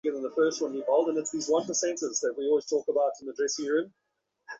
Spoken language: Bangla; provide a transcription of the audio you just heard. এমন সময়ে বেহারা এসে জানালে, সন্দীপবাবু এসেছেন, তিনি খবর দিতে বললেন।